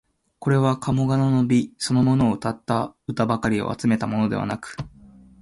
これは鴨川の美そのものをうたった歌ばかりを集めたものではなく、